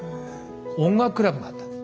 音楽クラブがあったんです。